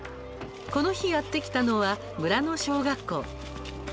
この日やって来たのは村の小学校。